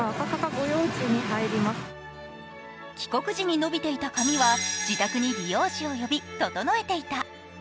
帰国時に伸びていた髪は自宅に美容師を呼び、整えていた。